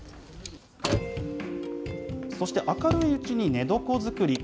そして、明るいうちに寝床作り。